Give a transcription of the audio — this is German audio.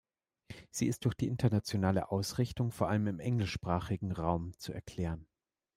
Sie ist durch die internationale Ausrichtung, vor allem im englischsprachigen Raum, zu erklären.